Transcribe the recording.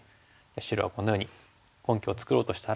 白はこのように根拠を作ろうとしたら？